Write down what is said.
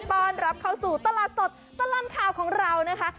ต้อนรับเข้าสู่ตลาดสดตลอดข่าวของเรานะคะ